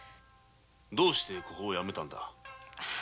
どうしてここをやめたんだ？